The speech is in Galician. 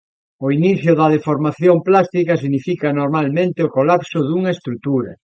O inicio da deformación plástica significa normalmente o colapso dunha estrutura.